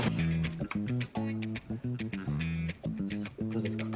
どうですか？